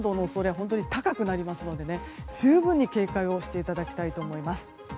本当に高くなりますので十分に警戒をしていただきたいと思います。